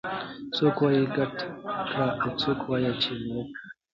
څوک وايي کته کړه او څوک وايي چې بره کړه